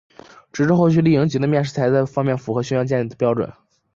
直至后续丽蝇级的面世才在这方面符合巡洋舰的标准。